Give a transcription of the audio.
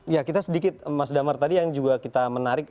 ya kita sedikit mas damar tadi yang juga kita menarik